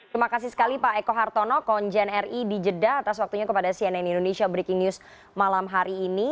terima kasih sekali pak eko hartono konjen ri di jeddah atas waktunya kepada cnn indonesia breaking news malam hari ini